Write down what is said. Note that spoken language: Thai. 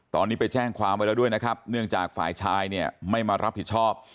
ตอนนี้ไปแจ้งความไว้แล้วด้วยนะครับเนื่องจากฝ่ายชายเนี่ยไม่มารับผิดชอบ